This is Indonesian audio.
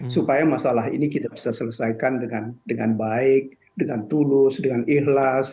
supaya masalah ini kita bisa selesaikan dengan baik dengan tulus dengan ikhlas